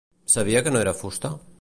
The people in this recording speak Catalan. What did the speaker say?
Sabia que no era fusta?